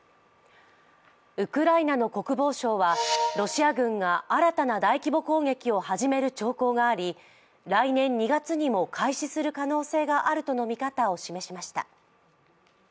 ウクライナの国防相はロシア軍が新たな大規模攻撃を始める兆候があり、来年２月にも開始する可能性があるとの見方を示しました。